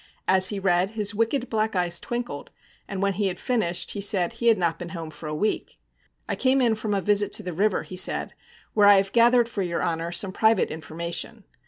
As he read, his wicked black eyes twinkled, and when he had finished he said he had not been home for a week. 'I came in from a visit to the river,' he said, 'where I have gathered for your honour some private information.